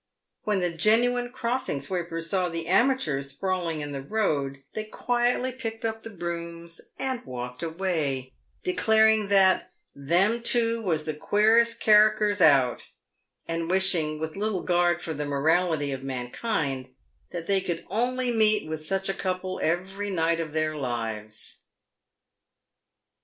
When the genuine crossing sweepers saw the amateurs sprawling in the road, they quietly picked up the brooms and walked away, de claring that " them two was the queerest charackters out," and wish ing — with little regard for the morality of mankind — that they could only meet with such a couple every night of their lives.